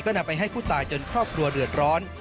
นำไปให้ผู้ตายจนครอบครัวเดือดร้อน